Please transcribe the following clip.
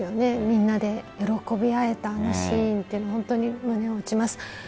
みんなで喜び合えたあのシーンは本当に胸を打ちます。